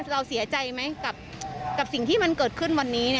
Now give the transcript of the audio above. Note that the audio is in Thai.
เราเสียใจไหมกับสิ่งที่มันเกิดขึ้นวันนี้